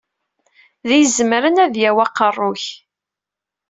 D izemren ad yawi aqerru-k.